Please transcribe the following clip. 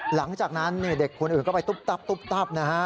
หลังจากนั้นเด็กคุณอื่นก็ไปตุ๊บนะฮะ